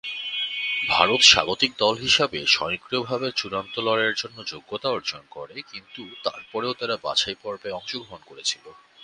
ভারত স্বাগতিক দল হিসাবে স্বয়ংক্রিয়ভাবে চূড়ান্ত লড়াইয়ের জন্য যোগ্যতা অর্জন করে, কিন্তু তারপরেও তারা বাছাইপর্বে অংশগ্রহণ করেছিল।